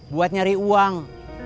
buat nyari uang